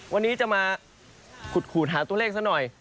วันนี้จะมาขูดหาตัวเลขซะหน่อย